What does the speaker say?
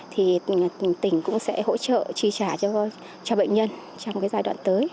thì tỉnh cũng sẽ hỗ trợ chi trả cho bệnh nhân trong giai đoạn tới